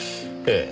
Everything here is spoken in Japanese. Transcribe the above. ええ。